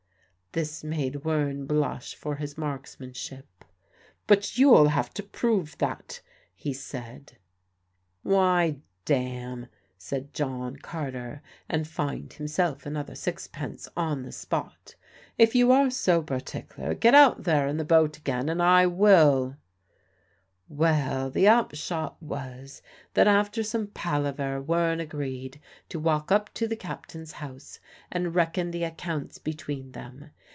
This made Wearne blush for his marksmanship. "But you'll have to prove that," he said. "Why, damme," said John Carter, and fined himself another sixpence on the spot; "if you are so partic'ler, get out there in the boat again, and I will." Well, the upshot was that after some palaver Wearne agreed to walk up to the captain's house and reckon the accounts between them.